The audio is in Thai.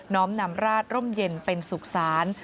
้อมนำราชร่มเย็นเป็นสุขศาล